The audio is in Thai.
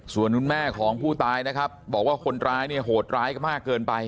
ส่วนคุณแม่ของผู้ตายนะครับบอกว่าคนร้ายเนี่ยโหดร้ายมากเกินไป